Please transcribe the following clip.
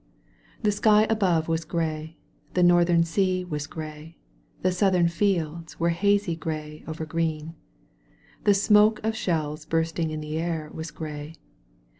The sky above was gray; the northern sea was gray; the southern fields were hassy gray over green; the smoke of shells bursting in the air was gray.